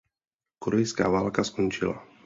Korejská válka skončila.